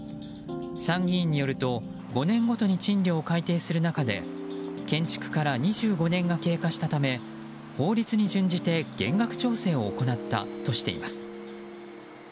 参議院によると５年ごとに賃料を改定する中で建築から２５年が経過したため法律に準じて減額調整を行ったとしています。